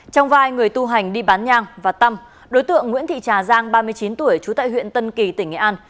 trong vai người tu hành đi bán nhang và tâm đối tượng nguyễn thị trà giang ba mươi chín tuổi trú tại huyện tân kỳ tỉnh nghệ an